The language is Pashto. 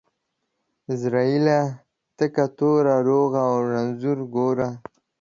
عزرائيله تکه توره ، روغ او رنځور گوره.